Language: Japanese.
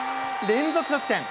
連続得点。